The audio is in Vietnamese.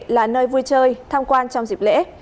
là nơi vui chơi tham quan trong dịp lễ